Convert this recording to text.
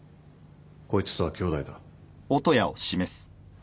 こいつとは兄弟だ。